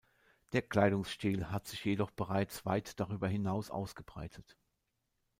Der Kleidungsstil hat sich jedoch bereits weit darüber hinaus ausgebreitet.